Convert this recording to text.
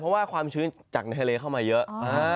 เพราะว่าความชื้นจากในทะเลเข้ามาเยอะ